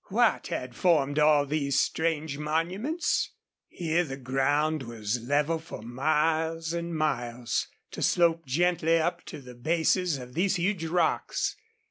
What had formed all these strange monuments? Here the ground was level for miles and miles, to slope gently up to the bases of these huge rocks.